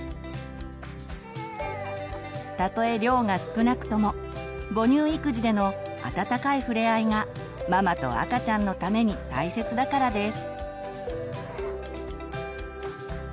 たとえ量が少なくとも母乳育児でのあたたかいふれあいがママと赤ちゃんのために大切だからです。